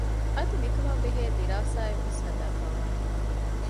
އަދި މިކަމާ ބެހޭ ދިރާސާއެއް ވެސް ހަދައިފައިވާނެ